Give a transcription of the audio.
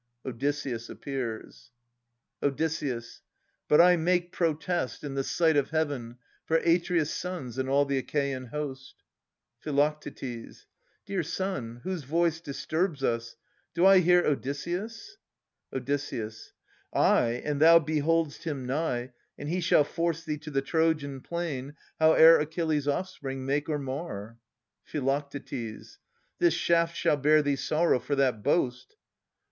[Odysseus appears. Od. But I make protest, in the sight of Heaven, For Atreus' sons and all the Achaean host. Phi. Dear son, whose voice disturbs us ? Do I hear Odysseus ? Od. Ay, and thou behold'st him nigh, And he shall force thee to the Trojan plain, Howe'er Achilles' offspring make or mar. Phi. This shaft shall bear thee sorrow for that boast.